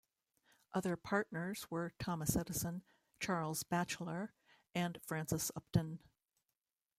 Other partners were Thomas Edison, Charles Batchelor, and Francis Upton.